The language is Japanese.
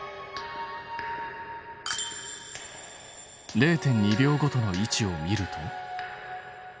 ０．２秒ごとの位置を見ると。